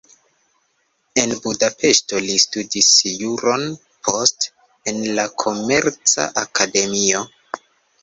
En Budapeŝto li studis juron, poste en la komerca akademio.